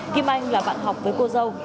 kim anh là bạn học với cô dâu